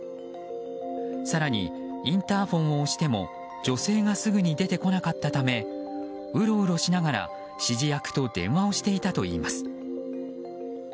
更に、インターホンを押しても女性がすぐに出てこなかったためうろうろしながら指示役と電話をしていたといいます。